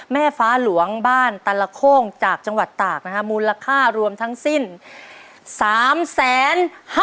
แม่ฟ้าหลวงบ้านตลโค้งจากจังหวัดตากมูลค่ารวมทั้งสิ้น๓๕๐๐๐๐๐บาท